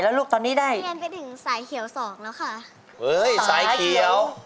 สายเขียว๒แล้วค่ะสายเขียวเฮ้ยสายเขียว